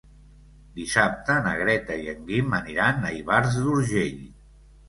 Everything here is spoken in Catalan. Dissabte na Greta i en Guim aniran a Ivars d'Urgell.